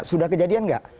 sudah kejadian enggak